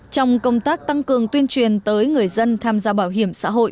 trong công tác tăng cường tuyên truyền tới người dân tham gia bảo hiểm xã hội